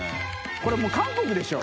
これもう韓国でしょ。